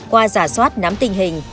qua giả soát nắm tình hình